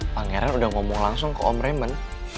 pangeran udah ngomong langsung ke om reman